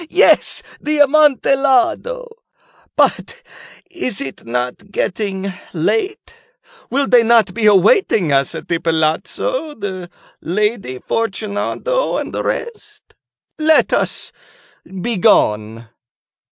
he!—yes, the Amontillado. But is it not getting late? Will not they be awaiting us at the palazzo, the Lady Fortunato and the rest? Let us be gone."